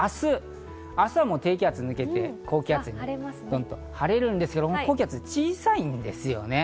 明日、低気圧が抜けて高気圧に覆われて晴れるんですが、高気圧は小さいんですよね。